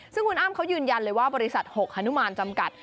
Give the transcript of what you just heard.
ซึ่งคุณอ้ำเขายืนยันเลยว่าบริษัท๖ฮนุมานจำกัด